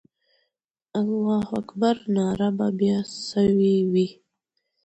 د الله اکبر ناره به بیا سوې وي.